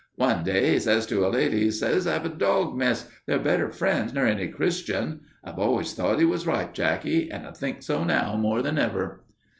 One day 'e says to a lady, 'e says, 'Hev a dog, Miss. They're better friends nor any Christian.' I've always thought 'e was right, Jacky, and I think so now more than ever."